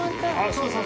そうそう。